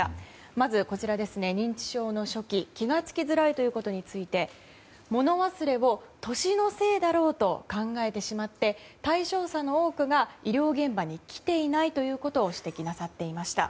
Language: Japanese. まず、認知症の初期気が付きづらいということについて物忘れを年のせいだろうと考えてしまって対象者の多くが医療現場に来ていないということを指摘なさっていました。